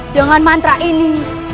dengan mantra ini